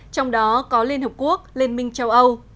trong đó có liên hợp quốc liên minh châu âu